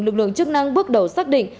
lực lượng chức năng bước đầu xác định